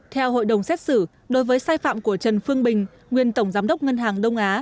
theo hội đồng xét xử đối với sai phạm của trần phương bình nguyên tổng giám đốc ngân hàng đông á